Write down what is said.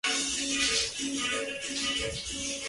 Beach rastreó a Bull, que se había ido a vivir al campo.